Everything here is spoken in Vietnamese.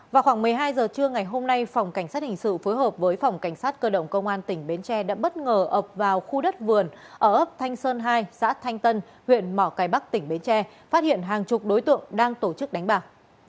vào khoảng một mươi hai giờ trưa ngày hôm nay phòng cảnh sát hình sự phối hợp với phòng cảnh sát cơ động công an tỉnh bến tre đã bất ngờ ập vào khu đất vườn ở ấp thanh sơn hai xã thanh tân huyện mỏ cải bắc tỉnh bến tre phát hiện hàng chục đối tượng đang tổ chức đánh bạc